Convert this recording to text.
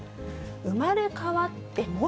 生まれ変わっても？